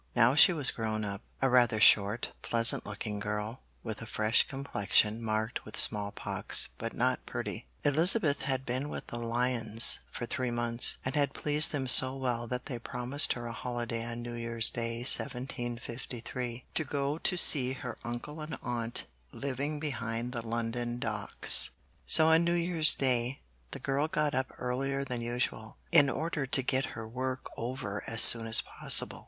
Now she was grown up; a rather short, pleasant looking girl with a fresh complexion marked with small pox, but not pretty. Elizabeth had been with the Lyons for three months, and had pleased them so well that they promised her a holiday on New Year's Day 1753, to go to see her uncle and aunt, living behind the London Docks. So on New Year's Day, the girl got up earlier than usual, in order to get her work over as soon as possible.